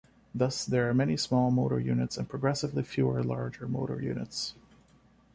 Thus, there are many small motor units and progressively fewer larger motor units.